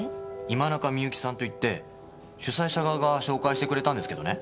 今中みゆきさんといって主催者側が紹介してくれたんですけどね。